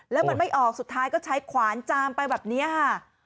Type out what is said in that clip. แล้วมันไม่ออกสุดท้ายก็ใช้ขวานจามไปแบบนี้ค่ะ